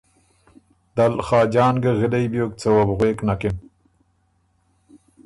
دل خاجان ګۀ غِلئ بیوک څه وه بو غوېک نکِن